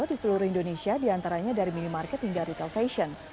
di seluruh indonesia diantaranya dari minimarket hingga retail fashion